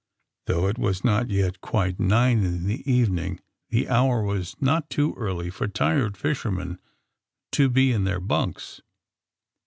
Though it was not yet quite nine in the even ing, the hour was not too early for tired fisher men to be in their bunks.